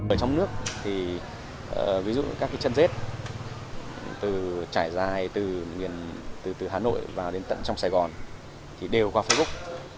ở trong nước thì ví dụ các cái chân rết trải dài từ hà nội vào đến tận trong sài gòn thì đều qua facebook